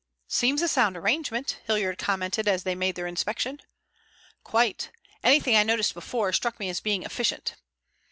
"Seems a sound arrangement," Hilliard commented as they made their inspection. "Quite. Anything I noticed before struck me as being efficient."